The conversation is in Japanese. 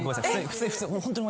普通に普通に。